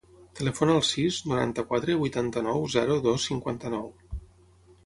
Telefona al sis, noranta-quatre, vuitanta-nou, zero, dos, cinquanta-nou.